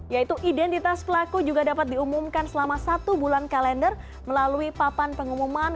yaitu identitas pelaku juga dapat diumumkan selama satu bulan kalender melalui papan pengumuman